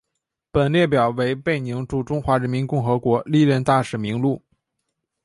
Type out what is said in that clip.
本列表为贝宁驻中华人民共和国历任大使名录。